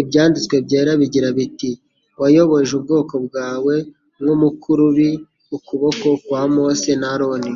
Ibyanditswe byera bigira biti: "Wayoboje ubwoko bwawe nk'umukurubi ukuboko kwa Mose na Aroni."